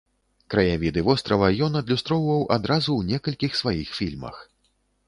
Краявіды вострава ён адлюстраваў адразу ў некалькіх сваіх фільмах.